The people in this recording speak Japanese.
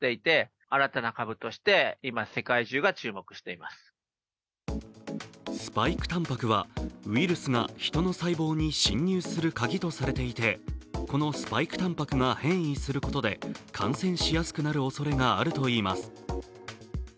その特徴はスパイクたんぱくはウイルスが人の細胞に侵入する鍵とされていてこのスパイクたんぱくが変異することで感染しやすくなるおそれがあるといいます。